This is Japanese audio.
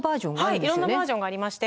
いろんなバーションがありまして